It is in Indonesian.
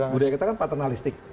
budaya kita kan paternalistik